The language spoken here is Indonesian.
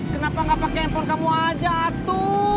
kenapa gak pake handphone kamu aja atu